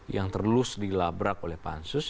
yang terus dilabrak oleh pansus